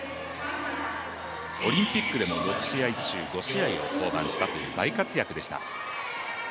オリンピックでの６試合中５試合を登板したという大活躍でした。